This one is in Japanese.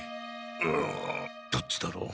うんどっちだろう？